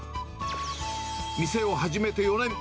店を始めて４年。